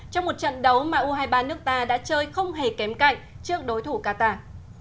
trong một trận đấu mà u hai mươi ba nước ta đã chơi không hề kém cạnh trước đối thủ qatar